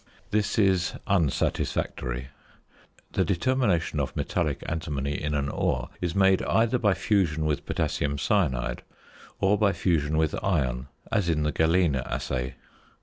This is unsatisfactory. The determination of metallic antimony in an ore is made either by fusion with potassium cyanide or by fusion with iron, as in the galena assay.